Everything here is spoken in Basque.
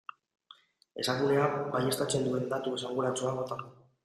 Esakunea baieztatzen duen datu esanguratsua bota du.